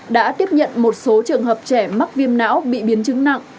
đã tiếp nhận một số trường hợp trẻ mắc viêm não bị biến chứng nặng